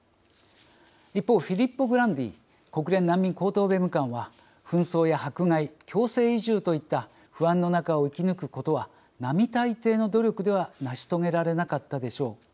一方、フィリッポ・グランディ国連難民高等弁務官は「紛争や迫害、強制移住といった不安の中を生き抜くことは並大抵の努力では成し遂げられなかったでしょう。